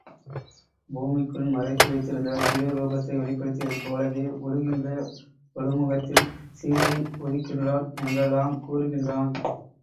பூமிக்குள் மறைத்து வைத்திருந்த சுய ரூபத்தை வெளிப்படுத்தியது போலவே உழுகின்ற கொழு முகத்தில் சீதை உதிக்கின்றாள் என்றெல்லாம் கூறுகின்றான்.